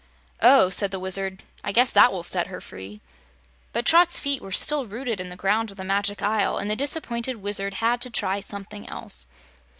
"Oh!" said the Wizard, "I guess that will set her free." But Trot's feet were still rooted in the ground of the Magic Isle, and the disappointed Wizard had to try something else.